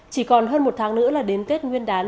chỉ còn hơn một tháng nữa là đến tết nguyên đán